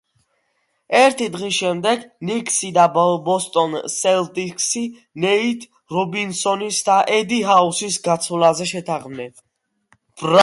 ერთი დღის შემდეგ ნიქსი და ბოსტონ სელტიკსი ნეით რობინსონის და ედი ჰაუსის გაცვლაზე შეთანხმდნენ.